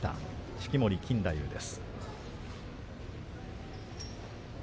式守錦太夫です。